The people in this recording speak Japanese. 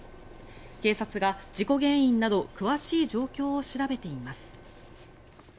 警察が事故原因など詳しい状況を調べています。